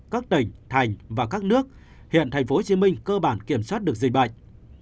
các tỉnh thành và các nước hiện tp hcm cơ bản kiểm soát được dịch bệnh